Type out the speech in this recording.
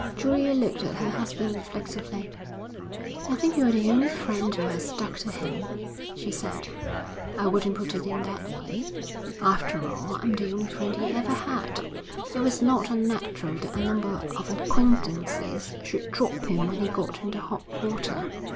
Julia looked at her husband reflectively. 'I think you're the only friend who has stuck to him,' she said. 'I wouldn't put it in that way. After all, I'm the only friend he ever had. It was not unnatural that a number of acquaintances should drop him when he got into hot water.'